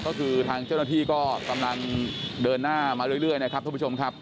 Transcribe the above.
ก็คือทางเจ้าหน้าที่ก็กำลังเดินหน้ามาเรื่อยนะครับท่านผู้ชมครับ